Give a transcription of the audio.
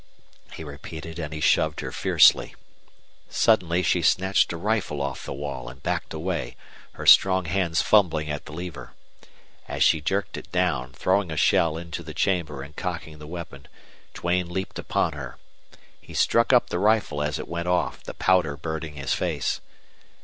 he repeated, and he shoved her fiercely. Suddenly she snatched a rifle off the wall and backed away, her strong hands fumbling at the lever. As she jerked it down, throwing a shell into the chamber and cocking the weapon, Duane leaped upon her. He struck up the rifle as it went off, the powder burning his face.